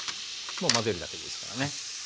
もう混ぜるだけでいいですからね。